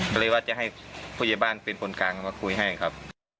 ก็เลยว่าจะให้ผู้ใหญ่บ้านเป็นคนกลางมาคุยให้ครับ